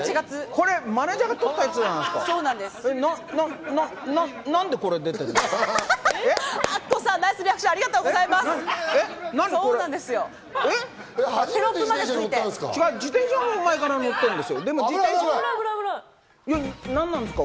これマネジャーが撮ったやつじゃないですか。